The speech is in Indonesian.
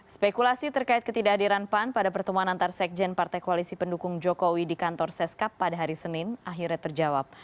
spekulasi terkait ketidakhadiran pan pada pertemuan antar sekjen partai koalisi pendukung jokowi di kantor seskap pada hari senin akhirnya terjawab